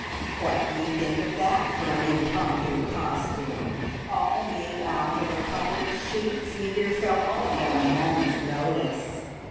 "What do you think of that for an impromptu costume? All made out of a couple of sheets, me dear fellow, and at a moment's notice.